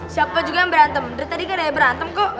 siapa juga yang berantem